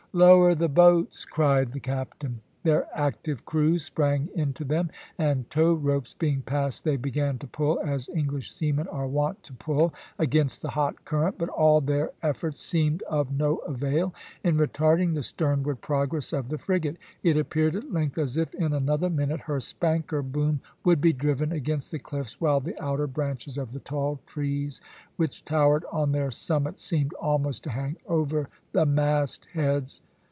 "Lower the boats," cried the captain. Their active crews sprang into them, and tow ropes being passed they began to pull, as English seamen are wont to pull, against the hot current; but all their efforts seemed of no avail in retarding the sternward progress of the frigate. It appeared at length as if in another minute her spanker boom would be driven against the cliffs, while the outer branches of the tall trees which towered on their summits seemed almost to hang over the mast heads.